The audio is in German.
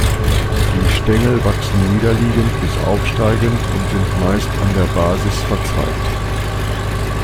Die Stängel wachsen niederliegend bis aufsteigend und sind meist an der Basis verzweigt.